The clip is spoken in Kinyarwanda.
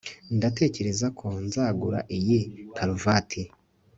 Ndatekereza ko nzagura iyi karuvati